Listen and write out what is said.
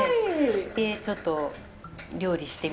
でちょっと料理してみて。